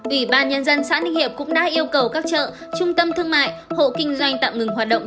ủy ban nhân dân xã ninh hiệp cũng đã yêu cầu các chợ trung tâm thương mại hộ kinh doanh tạm ngừng hoạt động